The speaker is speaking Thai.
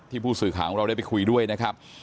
ผู้สื่อข่าวของเราได้ไปคุยด้วยนะครับ